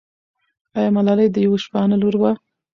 آیا ملالۍ د یوه شپانه لور وه؟